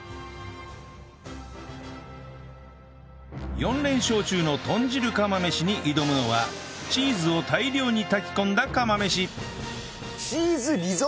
４連勝中の豚汁釜飯に挑むのはチーズを大量に炊き込んだ釜飯